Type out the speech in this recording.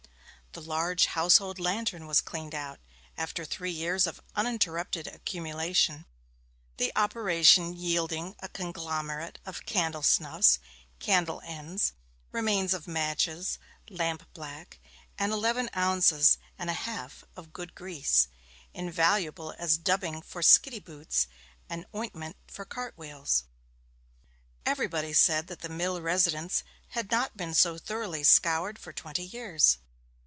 The large household lantern was cleaned out, after three years of uninterrupted accumulation, the operation yielding a conglomerate of candle snuffs, candle ends, remains of matches, lamp black, and eleven ounces and a half of good grease invaluable as dubbing for skitty boots and ointment for cart wheels. Everybody said that the mill residence had not been so thoroughly scoured for twenty years.